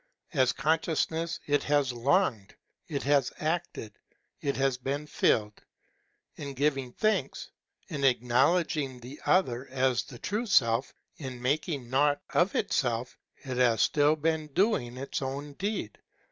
As Con sciousness it has longed, it has acted, it has been filled. In giving thanks, in acknowledging the Other as the true Self, in making naught of itself, it has still been doing its own deed.